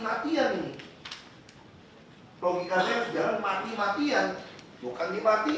logikanya sejarah mati matian bukan dimatiin